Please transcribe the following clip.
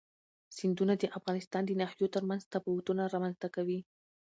سیندونه د افغانستان د ناحیو ترمنځ تفاوتونه رامنځ ته کوي.